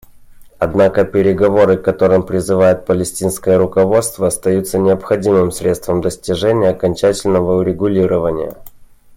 Однако переговоры, к которым призывает палестинское руководство, остаются необходимым средством достижения окончательного урегулирования.